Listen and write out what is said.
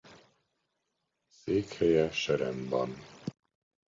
Székhelye Seremban.